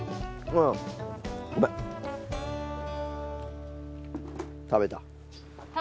うん食べた。